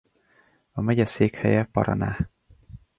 A megye székhelye Paraná.